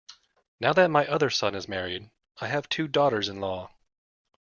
Now that my other son is married I have two daughters-in-law.